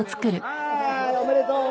「はいおめでとう！」